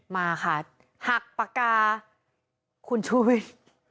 มาค่ะหักปากกาคุณชูวิทย์